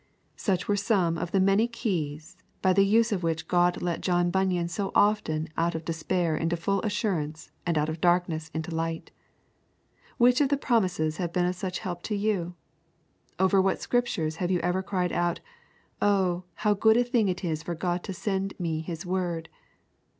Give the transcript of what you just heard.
Such were some of the many keys by the use of which God let John Bunyan so often out of despair into full assurance and out of darkness into light. Which of the promises have been of such help to you? Over what Scriptures have you ever cried out: Oh, how good a thing it is for God to send me His word!